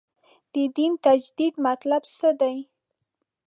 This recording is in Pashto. د دین تجدید مطلب څه دی.